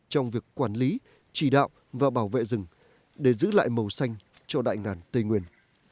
trong việc quản lý chỉ đạo và bảo vệ rừng để giữ lại màu xanh cho đại ngàn tây nguyên